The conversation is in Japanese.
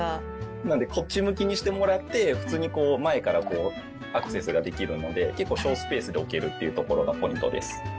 なんで、こっち向きにしてもらって普通にこう、前からアクセスができるので、結構省スペースで置けるというところがポイントです。